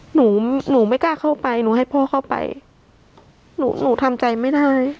หนูหนูไม่กล้าเข้าไปหนูให้พ่อเข้าไปหนูหนูทำใจไม่ได้